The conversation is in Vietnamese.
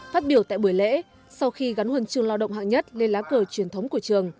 phát biểu tại buổi lễ sau khi gắn huần trường lao động hạng nhất lên lá cờ truyền thống của trường